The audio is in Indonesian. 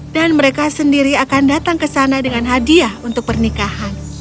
dan mereka sendiri akan datang ke sana dengan hadiah untuk pernikahan